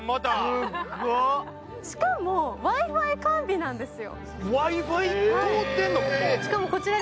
しかもＷｉ−Ｆｉ完備なんですよ。